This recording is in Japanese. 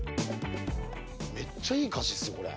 めっちゃいい歌詞っすよ、これ！